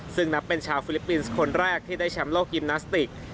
ซึ่งนับเป็นชาวฟิลิปปินส์คนแรกที่ได้แชมป์โลกยิมนาสติก